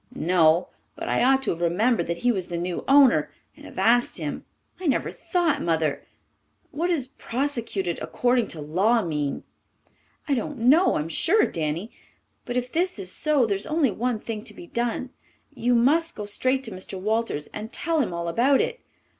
"No, but I ought to have remembered that he was the new owner, and have asked him. I never thought. Mother, what does 'prosecuted according to law' mean?" "I don't know, I'm sure, Danny. But if this is so, there's only one thing to be done. You must go straight to Mr. Walters and tell him all about it."